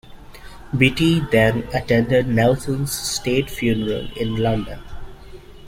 Beatty then attended Nelson's state funeral in London.